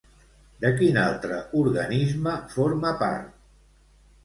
De quin altre organisme forma part?